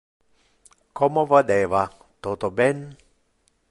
Como vadeva, toto ben?